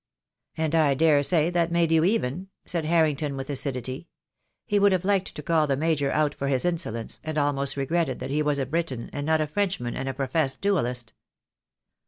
"And I daresay that made you even," said Harring ton, with acidity. He would have liked to call the Major out for his insolence, and almost regretted that he was a Briton, and not a Frenchman and a professed duellist.